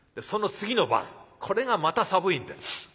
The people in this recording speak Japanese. その次の晩これがまた寒いんだ。